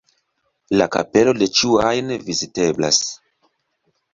La kapelo de ĉiu ajn viziteblas.